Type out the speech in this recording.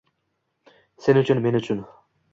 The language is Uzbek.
Sen uchun, men uchun